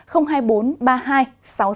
còn bây giờ xin kính chào